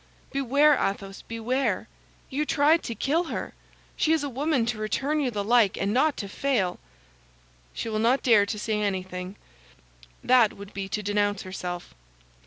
"Beware, Athos, beware. You tried to kill her; she is a woman to return you the like, and not to fail." "She will not dare to say anything; that would be to denounce herself."